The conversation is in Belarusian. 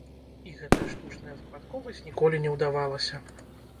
І гэтая штучная выпадковасць ніколі не ўдавалася.